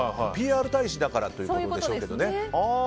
ＰＲ大使だからということでしょうが。